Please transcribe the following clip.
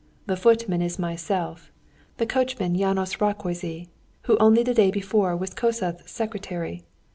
The footman is myself, the coachman János Rákóczy, who only the day before was Kossuth's secretary.